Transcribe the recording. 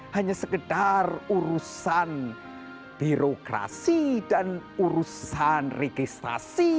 hanya sekedar urusan birokrasi dan urusan registrasi